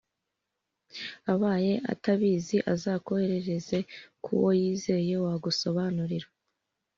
abaye atabizi, azakohereze ku wo yizeye wagusobanurira